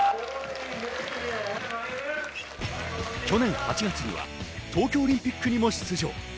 去年８月には東京オリンピックにも出場。